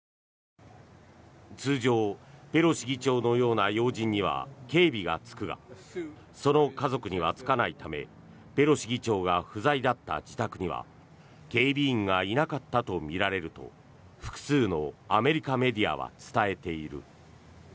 通常、ペロシ議長のような要人には警備がつくがその家族にはつかないためペロシ議長が不在だった自宅には警備員がいなかったとみられると複数のアメリカメディアは伝えている。